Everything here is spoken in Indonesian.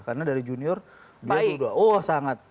karena dari junior dia sudah oh sangat